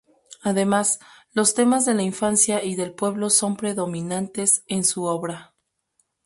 Además, los temas de la infancia y del pueblo son predominantes en su obra.